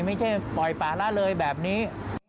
ไม่ใช่ปล่อยป่าละเลยแบบนี้